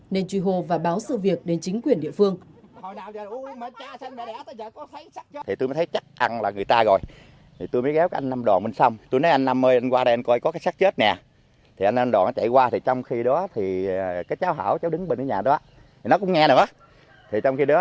nên truy hô và báo sự việc đến chính quyền địa phương